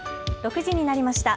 ６時になりました。